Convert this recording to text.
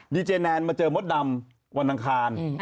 ดีเจแนนมาเจอมดดำวันอังคาร